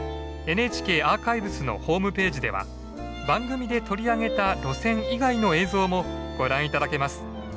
ＮＨＫアーカイブスのホームページでは番組で取り上げた路線以外の映像もご覧頂けます。